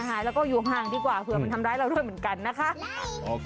หายแล้วก็อยู่ห่างดีกว่าเผื่อมันทำร้ายเราด้วยเหมือนกันนะคะ